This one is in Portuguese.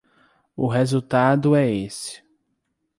O resultado é esse.